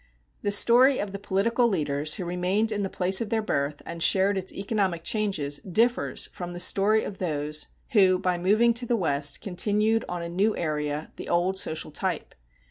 The story of the political leaders who remained in the place of their birth and shared its economic changes differs from the story of those who by moving to the West continued on a new area the old social type.